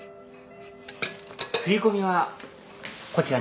振り込みはこちらに。